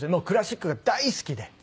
クラシックが大好きで。